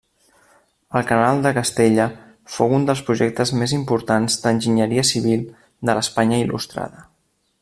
El canal de Castella fou un dels projectes més importants d'enginyeria civil de l'Espanya Il·lustrada.